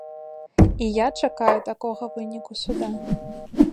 І я чакаю такога выніку суда.